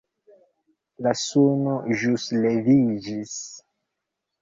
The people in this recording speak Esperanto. La suno ĵus leviĝis.